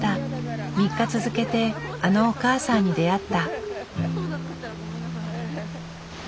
３日続けてあのおかあさんに出会った。